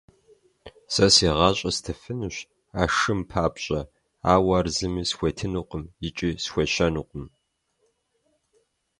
Сэ си гъащӀэр стыфынущ а шым папщӀэ, ауэ ар зыми схуетынукъым икӀи схуещэнукъым.